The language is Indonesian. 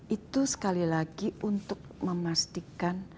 itu sekali lagi untuk memastikan